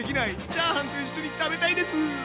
チャーハンと一緒に食べたいです！